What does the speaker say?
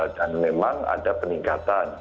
dan memang ada peningkatan